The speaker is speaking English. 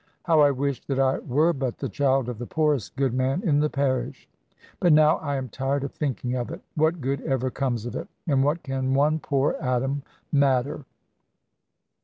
How I wish that I were but the child of the poorest good man in the parish! But now I am tired of thinking of it. What good ever comes of it? And what can one poor atom matter?"